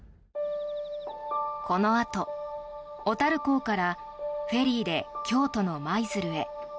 このあと、小樽港からフェリーで京都の舞鶴へ。